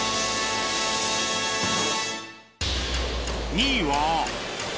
２位は